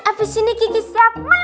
abis ini kiki siap meluncur